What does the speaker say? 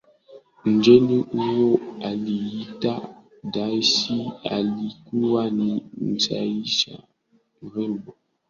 Mgeni huyo aliitwa Daisy alikuwa ni msichana mrembo